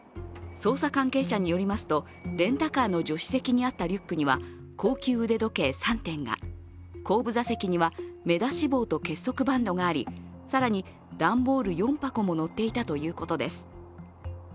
捜査関係者によりますと、レンタカーの助手席にあったリュックには高級腕時計３点が、後部座席には目出し帽と結束バンドがあり更に段ボール４箱も載っていたということです。